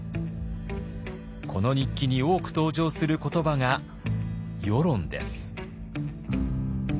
この日記に多く登場する言葉が「輿論」です。